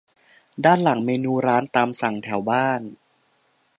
ด้านหลังเมนูร้านตามสั่งแถวบ้าน